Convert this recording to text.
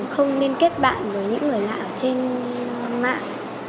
không liên kết bạn với những người lạ trên mạng